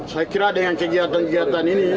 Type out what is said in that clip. saya kira dengan kegiatan kegiatan ini